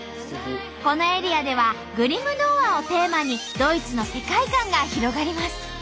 このエリアでは「グリム童話」をテーマにドイツの世界観が広がります。